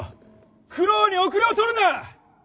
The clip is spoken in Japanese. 九郎に後れを取るな！